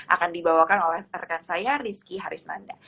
akan dibawakan oleh rekan saya rizky harisnanda